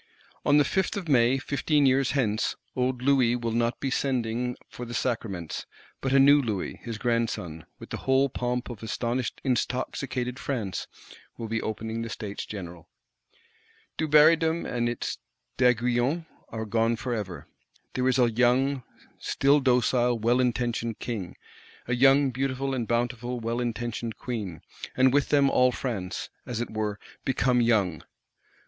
On the Fifth of May, fifteen years hence, old Louis will not be sending for the Sacraments; but a new Louis, his grandson, with the whole pomp of astonished intoxicated France, will be opening the States General. Dubarrydom and its D'Aiguillons are gone forever. There is a young, still docile, well intentioned King; a young, beautiful and bountiful, well intentioned Queen; and with them all France, as it were, become young.